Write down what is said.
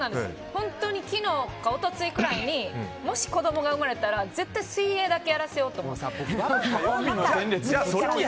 本当に昨日か一昨日くらいにもし子供が生まれたら絶対水泳だけはやらせようって。